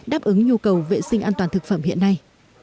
đáp ứng nhu cầu vệ sinh an toàn thực phẩm hiện nay